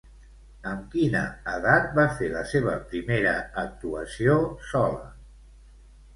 Amb quina edat va fer la seva primera actuació sola?